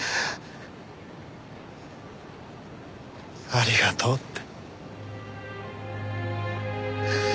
ありがとうって。